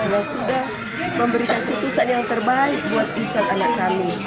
yang sudah memberikan putusan yang terbaik buat richard anak kami